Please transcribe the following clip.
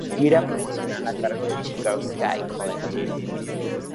Gira promocional a cargo de "Chicago Ska Collective".